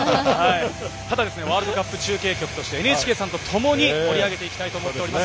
ただワールドカップ中継局としてＮＨＫさんとともに盛り上げていきたいと思います。